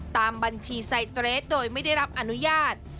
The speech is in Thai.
ตามบัญชีไซเตรสโดยไม่ได้รับอนุญาต